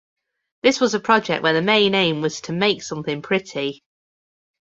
this was a project where the main aim was to make something pretty